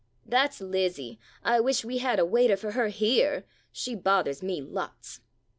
That 's Lizzie — I wish we had a waiter for her here — she bothers me lots.